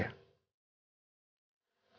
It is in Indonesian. aku gak tau